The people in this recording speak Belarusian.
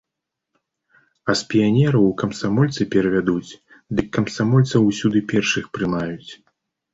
А з піянераў у камсамольцы перавядуць, дык камсамольцаў усюды першых прымаюць.